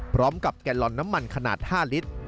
พร้อมกับแกนลอนน้ำมันขนาด๕ลิตร